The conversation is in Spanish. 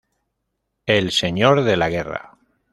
El señor de la guerra